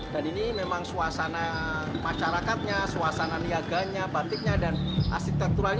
dan ini memang suasana masyarakatnya suasana niaganya batiknya dan arsitekturalnya